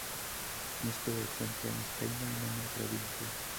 Město je centrem stejnojmenné provincie.